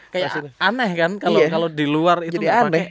kayak aneh kan kalo di luar itu gak pake